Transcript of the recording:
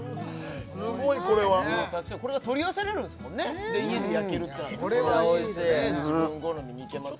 すごいこれはうまい確かにこれが取り寄せれるで家で焼けるっていうのはメッチャおいしい自分好みにいけます